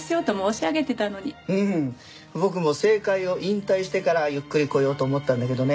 うん僕も政界を引退してからゆっくり来ようと思ったんだけどね